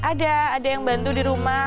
ada ada yang bantu di rumah